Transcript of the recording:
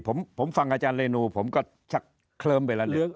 ผมฟังอาจารย์เรนูผมก็ชักเคลิ้มไปละเรื่อง